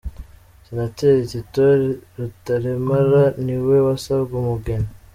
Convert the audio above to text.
Senateri Tito Rutaremara niwe wasabwe umugeni.